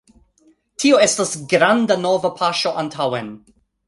Tio estas granda nova paŝo antaŭen